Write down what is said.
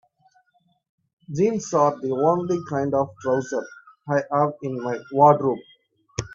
Jeans are the only kind of trousers I have in my wardrobe.